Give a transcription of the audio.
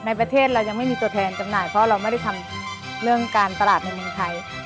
ในประเทศเรายังไม่มีตัวแทนจำหน่ายเพราะเราไม่ได้ทำเรื่องการตลาดในเมืองไทย